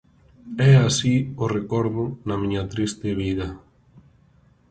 É así o Recordo na miña triste vida...